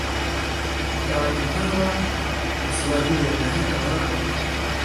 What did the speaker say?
ya watu hawa usiwajue na hata wao